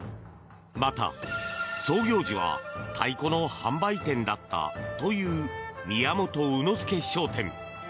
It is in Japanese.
また、創業時は太鼓の販売店だったという宮本卯之助商店。